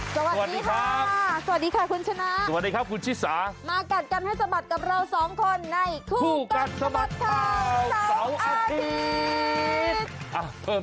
สวัสดีครับสวัสดีค่ะคุณชนะสวัสดีครับคุณชิสามากัดกันให้สะบัดกับเราสองคนในคู่กัดสะบัดข่าวเสาร์อาทิตย์